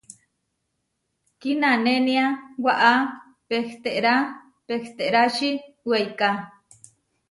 Kinanénia waʼá pehterá pehtérači weiká.